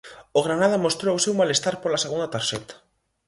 O Granada mostrou o seu malestar pola segunda tarxeta.